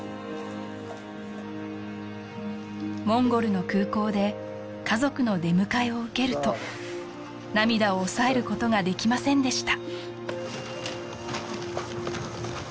モンゴルの空港で家族の出迎えを受けると涙を抑えることができませんでした